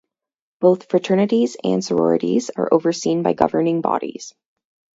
Both fraternities and sororities are overseen by governing bodies.